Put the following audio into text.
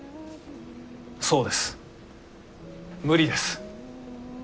そうです無理です。